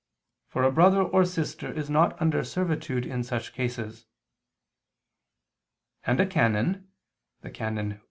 For a brother or sister is not under servitude in such cases": and a canon [*Can.